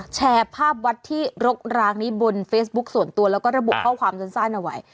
แชร์ภาพวัดที่รกร้างนี้บนเฟซบุ๊คส่วนตัวแล้วก็ระบุข้อความสั้นเอาไว้